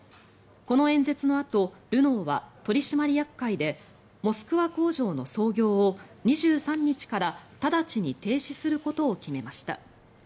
この演説のあとルノーは取締役会でモスクワ工場の操業を２３日から直ちに停止することを決めました。